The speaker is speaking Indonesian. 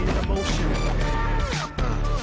tidak dia sudah kembali